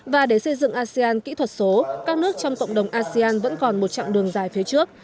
và để xây dựng asean kỹ thuật số các nước trong cộng đồng asean vẫn còn một chặng đường dài phía trước